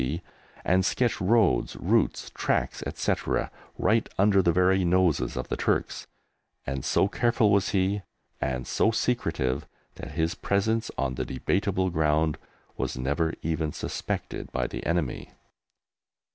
C.) and sketch roads, routes, tracks, etc., right under the very noses of the Turks, and so careful was he, and so secretive, that his presence on the debatable ground was never even suspected by the enemy.